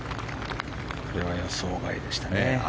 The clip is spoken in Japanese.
これは予想外でしたね。